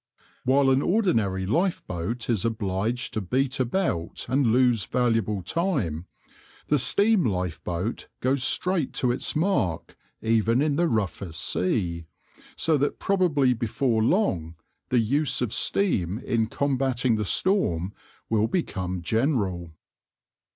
While an ordinary lifeboat is obliged to beat about and lose valuable time, the steam lifeboat goes straight to its mark even in the roughest sea, so that probably before long the use of steam in combating the storm will become general.